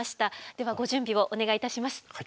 ではご準備をお願いいたします。